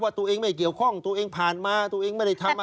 ตัวเองไม่เกี่ยวข้องตัวเองผ่านมาตัวเองไม่ได้ทำมา